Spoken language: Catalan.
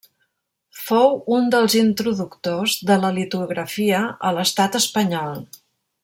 Fou un dels introductors de la litografia a l'estat espanyol.